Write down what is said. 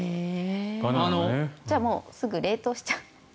じゃあ、もうすぐ冷凍しちゃう。